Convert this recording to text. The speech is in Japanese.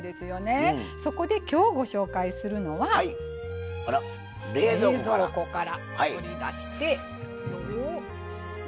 そこで、きょうご紹介するのは冷蔵庫から取り出して。